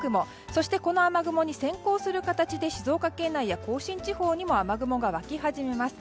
そして、この雨雲に先行する形で静岡県内や甲信地方にも雨雲が湧き始めます。